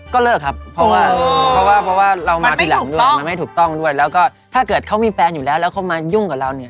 ก็เลิกครับเพราะว่าเพราะว่าเรามาทีหลังด้วยมันไม่ถูกต้องด้วยแล้วก็ถ้าเกิดเขามีแฟนอยู่แล้วแล้วเขามายุ่งกับเราเนี่ย